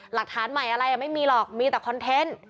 หลักฐานใหม่อะไรไม่มีหรอกมีแต่คอนเทนต์